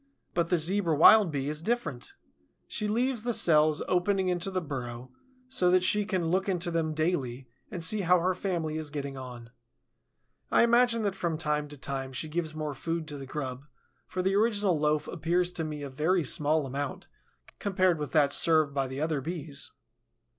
But the Zebra Wild Bee is different. She leaves the cells opening into the burrow, so that she can look into them daily and see how her family is getting on. I imagine that from time to time she gives more food to the grub, for the original loaf appears to me a very small amount compared with that served by the other Bees.